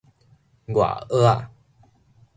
外澳仔